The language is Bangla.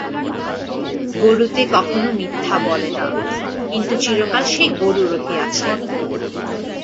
গরুতে কখনও মিথ্যা বলে না, কিন্তু চিরকাল সেই গরু রহিয়াছে।